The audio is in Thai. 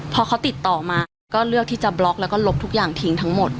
พอเขาติดต่อมาก็เลือกที่จะบล็อกแล้วก็ลบทุกอย่างทิ้งทั้งหมด